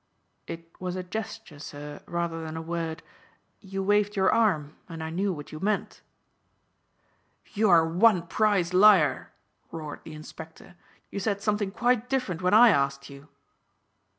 "It was a gesture, sir, rather than a word. You waved your arm and I knew what you meant." "You are one prize liar!" roared the inspector. "You said something quite different when I asked you."